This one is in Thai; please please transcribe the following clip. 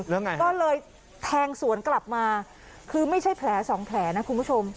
แล้วไงก็เลยแทงสวนกลับมาคือไม่ใช่แผลสองแผลนะคุณผู้ชม